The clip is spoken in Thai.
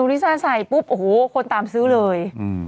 ลิซ่าใส่ปุ๊บโอ้โหคนตามซื้อเลย